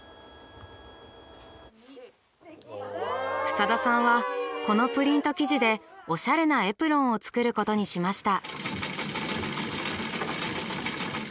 草田さんはこのプリント生地でおしゃれなエプロンを作ることにしました。